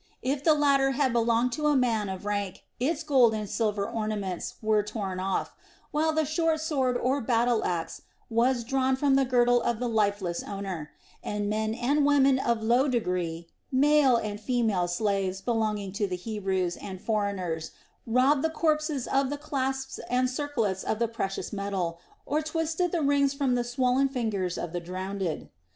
If the latter had belonged to a man of rank, its gold or silver ornaments were torn off, while the short sword or battle axe was drawn from the girdle of the lifeless owner, and men and women of low degree, male and female slaves belonging to the Hebrews and foreigners, robbed the corpses of the clasps and circlets of the precious metal, or twisted the rings from the swollen fingers of the drowned.